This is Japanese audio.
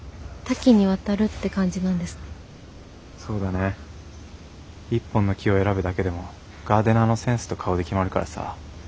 そうだね一本の木を選ぶだけでもガーデナーのセンスと顔で決まるからさ。